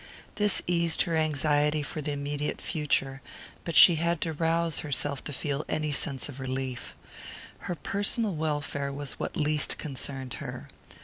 This eased her of anxiety for the immediate future; but she had to rouse herself to feel any sense of relief. Her personal welfare was what least concerned her.